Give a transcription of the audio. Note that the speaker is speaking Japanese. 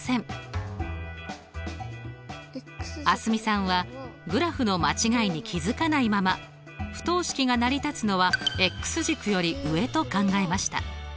蒼澄さんはグラフの間違いに気付かないまま不等式が成り立つのは軸より上と考えました。